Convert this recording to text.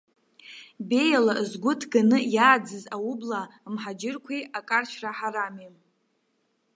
Беиала згәы ҭганы иааӡаз аублаа мҳаџьырқәеи акаршәра ҳарами.